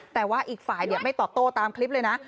แต่ว่าอีกฝ่ายไม่ตอบโต้ตามคลิปเลยนะ